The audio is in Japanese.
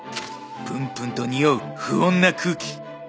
・「ぷんぷんとにおう不穏な空気」